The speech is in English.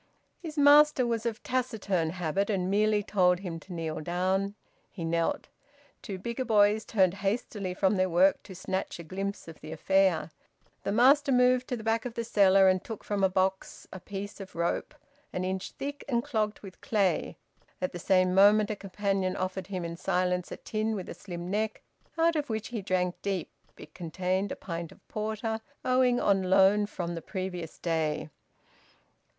His master was of taciturn habit and merely told him to kneel down. He knelt. Two bigger boys turned hastily from their work to snatch a glimpse of the affair. The master moved to the back of the cellar and took from a box a piece of rope an inch thick and clogged with clay. At the same moment a companion offered him, in silence, a tin with a slim neck, out of which he drank deep; it contained a pint of porter owing on loan from the previous day.